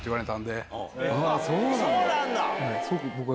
そうなんだ。